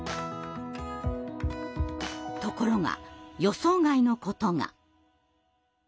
ところが予想外のことが。